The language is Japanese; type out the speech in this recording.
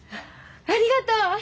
ありがとう！